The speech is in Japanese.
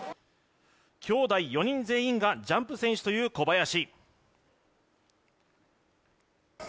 きょうだい４人全員がジャンプ選手という小林。